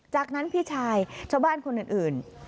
จากนั้นพี่ชายชาวบ้านคนอื่น